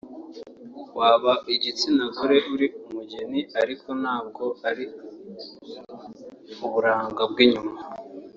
waba igitsinagore uri umugeni ariko ntabwo ari uburanga bw'inyuma